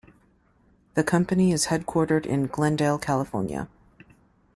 The company is headquartered in Glendale, California.